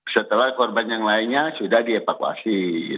setelah korban yang lainnya sudah dievakuasi